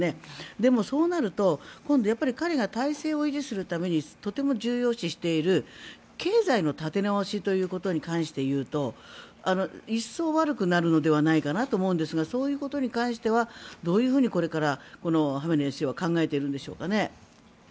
でも、そうなると今度は彼を体制を維持するためにとても重要視している経済の立て直しということに関して言うと一層悪くなるのではないかと思うのですがそういうことに関してはどういうふうにこれからこのハメネイ師は考えているんでしょうかね？